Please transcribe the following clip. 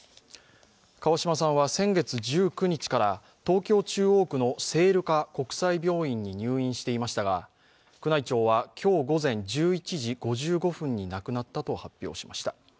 川嶋さんは先月１９日から東京・中央区の聖路加国際病院に入院していましたが、宮内庁は今日午前１１時５５分に亡くなったと発表しました。